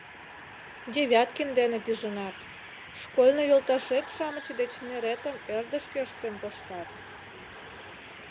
Девяткин дене пижынат, школьный йолташет-шамыч деч неретым ӧрдыжкӧ ыштен коштат...